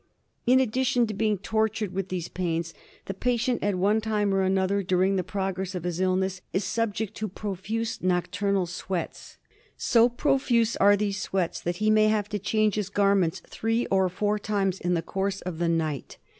In addition to beiftg tortured with these pains the patient at one time or another during the progress of his illness is subject to profuse nocturnal sweats. So profuse are these sweats that he may have to change his garments three or four times in the course of the night.